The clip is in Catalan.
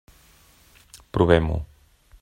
Provem-ho.